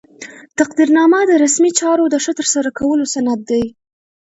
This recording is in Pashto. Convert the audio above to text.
تقدیرنامه د رسمي چارو د ښه ترسره کولو سند دی.